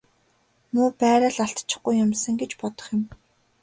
Муу байраа л алдчихгүй юмсан гэж бодох юм.